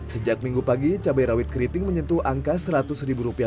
sejak minggu pagi cabai rawit keriting menyentuh angka rp seratus per kilogram dari sebelumnya